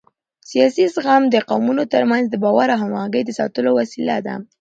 سیاسي زغم د قومونو ترمنځ د باور او همغږۍ د ساتلو وسیله ده